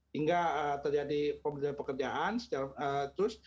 hingga terjadi pekerjaan terus